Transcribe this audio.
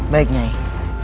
baik nyi iroh